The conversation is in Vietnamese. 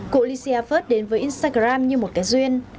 cụ lesya furt đến với instagram như một cái duyên